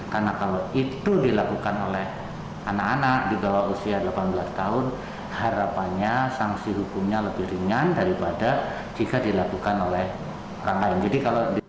karena kalau itu dilakukan oleh anak anak di bawah usia delapan belas tahun harapannya sanksi hukumnya lebih ringan daripada jika dilakukan oleh orang lain